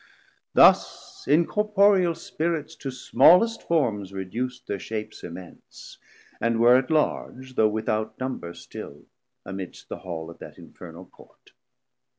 Thus incorporeal Spirits to smallest forms Reduc'd thir shapes immense, and were at large, 790 Though without number still amidst the Hall Of that infernal Court.